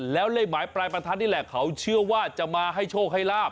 แล้วเลขหมายปลายประทัดนี่แหละเขาเชื่อว่าจะมาให้โชคให้ลาบ